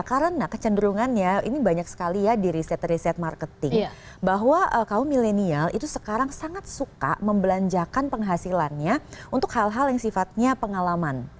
karena kecenderungannya ini banyak sekali ya di riset riset marketing bahwa kaum milenial itu sekarang sangat suka membelanjakan penghasilannya untuk hal hal yang sifatnya pengalaman